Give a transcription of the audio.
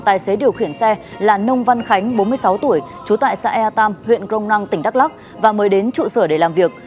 tại đây tài xế điều khiển xe là nông văn khánh bốn mươi sáu tuổi trú tại xã e ba huyện grong năng tỉnh đắk lắk và mới đến trụ sở để làm việc